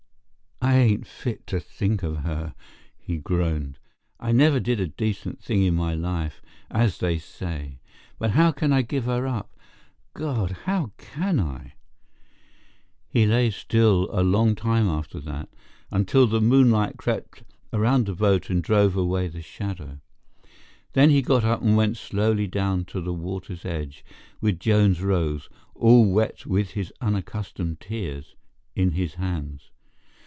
"I ain't fit to think of her," he groaned. "I never did a decent thing in my life, as they say. But how can I give her up—God, how can I?" He lay still a long time after that, until the moonlight crept around the boat and drove away the shadow. Then he got up and went slowly down to the water's edge with Joan's rose, all wet with his unaccustomed tears, in his hands.